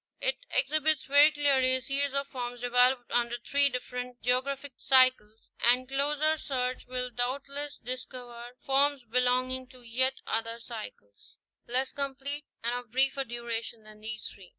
It exhibits very clearly a series of forms developed under three different geographic cycles, and closer search will doubtless discover forms belonging to yet other cycles, 90 National Geographic Magazine. less complete and of briefer duration than these three.